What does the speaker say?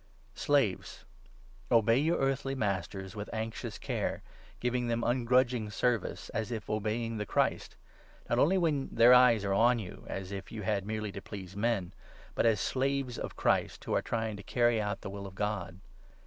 Slaves, obey your earthly masters, with anxious care, giving 5 them ungrudging service, as if obeying the Christ ; not only 6 when their eyes are on you, as if you had merely to please men, but as slaves of Christ, who are trying to carry out the will of God.